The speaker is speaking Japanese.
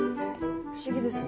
不思議ですね。